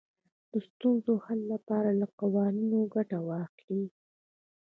د ستونزو حل لپاره له قوانینو ګټه واخلئ.